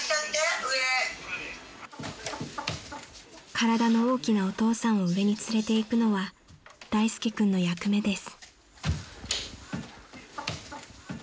［体の大きなお父さんを上に連れていくのは大介君の役目です］